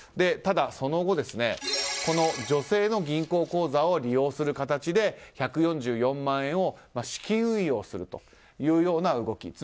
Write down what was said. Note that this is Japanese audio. ただ、その後この女性の銀行口座を利用する形で１４４万円を資金運用するというような動き。